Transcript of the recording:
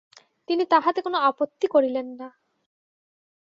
তিনি তাহাতে কোনো আপত্তি করিলেন না।